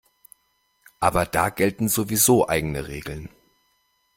Aber da gelten sowieso eigene Regeln.